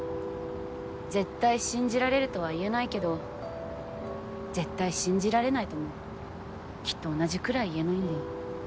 絶対信じられるとは言えないけど絶対信じられないともきっと同じくらい言えないんだよ。